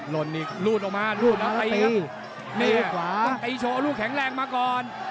ล่นอีกรูดออกมารูดแล้วตีครับนี่ขวาต้องตีโชว์เอาลูกแข็งแรงมาก่อน